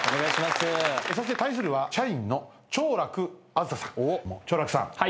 そして対するは社員の長樂梓さん。